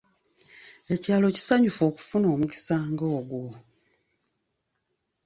Ekyalo kisanyufu okufuna omukisa nga ogwo.